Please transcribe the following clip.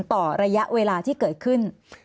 ต่อระยะเวลาที่เกิดขึ้น